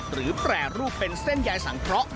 หรือแปรรูปเป็นเส้นใยสังเพราะ